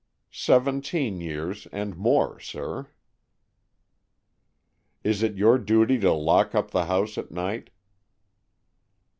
"Seventeen years and more, sir." "Is it your duty to lock up the house at night?"